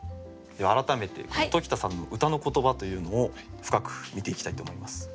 では改めて時田さんの歌の言葉というのを深く見ていきたいと思います。